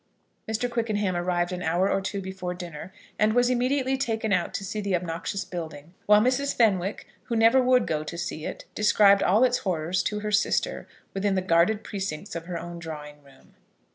Mr. Quickenham arrived an hour or two before dinner, and was immediately taken out to see the obnoxious building; while Mrs. Fenwick, who never would go to see it, described all its horrors to her sister within the guarded precincts of her own drawing room.